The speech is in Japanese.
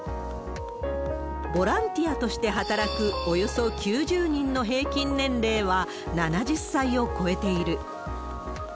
ボランティアとして働くおよそ９０人の平均年齢は７０歳を超えている。